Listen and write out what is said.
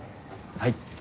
はい。